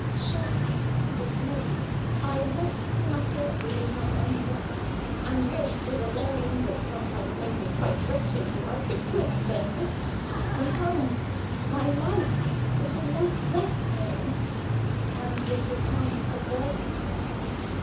Shuddering, dismayed, I locked the matter up within my own breast, and wished with a longing that sometimes made me quite wretched that I could quit Skernford, my home, my life, which had lost zest for me, and was become a burden to me.